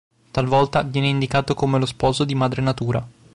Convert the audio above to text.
Talvolta viene indicato come lo sposo di Madre Natura.